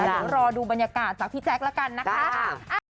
และโดยรอดูบรรยากาศจากพี่แจ็คแล้วกันนะคะ